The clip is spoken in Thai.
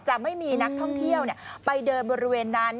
ไม่มีนักท่องเที่ยวไปเดินบริเวณนั้น